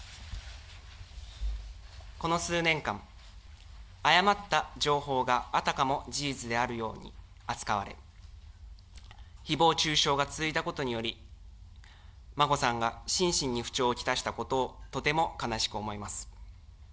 この数年間、誤った情報があたかも事実であるように扱われ、ひぼう中傷が続いたことにより、眞子さんが心身に不調を来したことをとても悲しく思います。